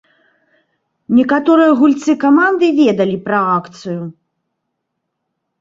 Некаторыя гульцы каманды ведалі пра акцыю.